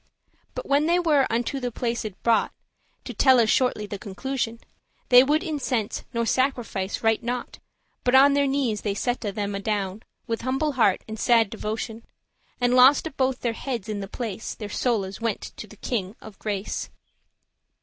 But when they were unto the place brought To telle shortly the conclusion, They would incense nor sacrifice right nought But on their knees they sette them adown, With humble heart and sad* devotion, *steadfast And loste both their heades in the place; Their soules wente to the King of grace.